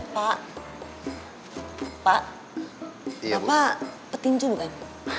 pak bapak petinju bukan